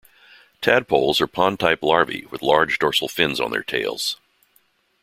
Tadpoles are pond type larvae with large dorsal fins on their tails.